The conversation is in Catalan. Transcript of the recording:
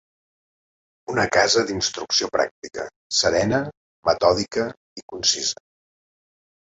Una casa d'instrucció pràctica, serena, metòdica i concisa